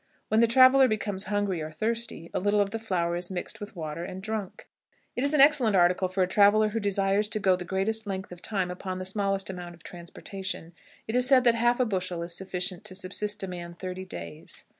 When the traveler becomes hungry or thirsty, a little of the flour is mixed with water and drunk. It is an excellent article for a traveler who desires to go the greatest length of time upon the smallest amount of transportation. It is said that half a bushel is sufficient to subsist a man thirty days.